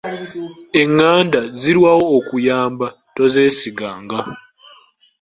Enganda zirwawo okuyamba, tozeesiganga.